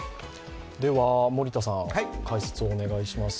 では森田さん、解説をお願いします。